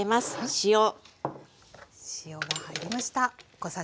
塩が入りました。